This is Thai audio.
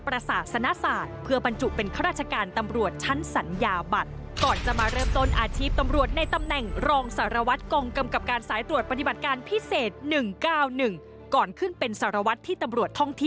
รัฐศาสตร์รัฐพรษาสนาศาสตร์